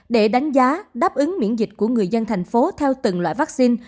để đánh giá đáp ứng miễn dịch của người dân thành phố theo từng loại vắc xin